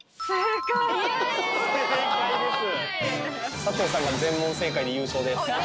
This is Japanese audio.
正解です。